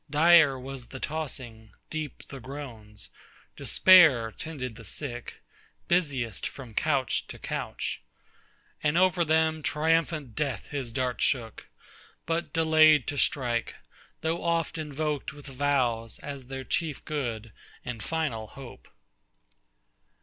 Dire was the tossing, deep the groans: despair Tended the sick, busiest from couch to couch. And over them triumphant death his dart Shook: but delay'd to strike, though oft invok'd With vows, as their chief good and final hope.